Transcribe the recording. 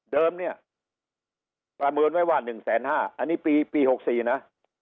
เนี่ยประเมินไว้ว่า๑๕๐๐อันนี้ปี๖๔นะ